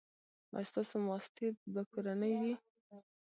ایا ستاسو ماستې به کورنۍ وي؟